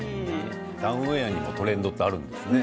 ダウンウエアにもトレンドがあるんですね。